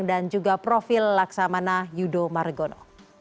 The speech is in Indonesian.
dan juga profil laksamana yudho margono